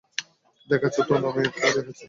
দেখাচ্ছো তো না, মেয়ের টা দেখাচ্ছে।